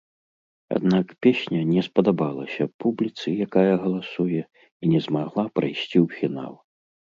Аднак песня не спадабалася публіцы, якая галасуе, і не змагла прайсці ў фінал.